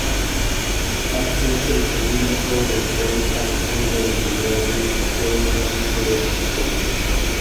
Asser, el biógrafo del Rey Alfredo el Grande, fue un monje del monasterio.